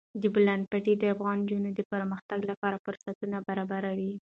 د بولان پټي د افغان نجونو د پرمختګ لپاره فرصتونه برابروي.